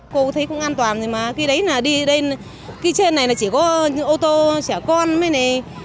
cô thấy cũng an toàn rồi mà khi đấy là đi đây khi trên này là chỉ có ô tô trẻ con mấy này